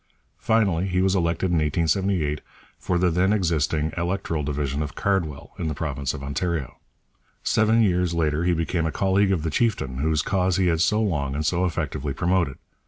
Finally, he was elected in 1878 for the then existing electoral division of Cardwell, in the province of Ontario. Seven years later he became a colleague of the chieftain whose cause he had so long and so effectively promoted.